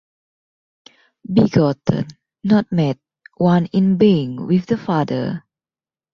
begotten, not made, one in Being with the Father.